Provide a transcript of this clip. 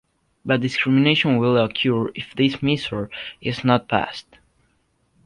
But discrimination will occur if this measure is not passed.